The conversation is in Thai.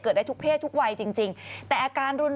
ได้ทุกเพศทุกวัยจริงจริงแต่อาการรุนแรง